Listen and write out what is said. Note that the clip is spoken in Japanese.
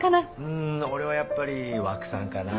ん俺はやっぱり和久さんかな。